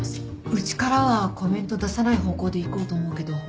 うちからはコメント出さない方向でいこうと思うけど。